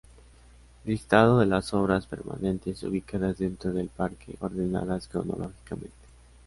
Listado de las obras permanentes ubicadas dentro del parque ordenadas cronológicamente.